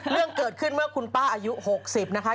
เรื่องเกิดขึ้นเมื่อคุณป้าอายุ๖๐นะคะ